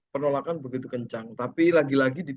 penolakan begitu kencang tapi lagi lagi